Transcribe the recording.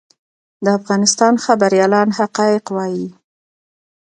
د افغانستان خبریالان حقایق وايي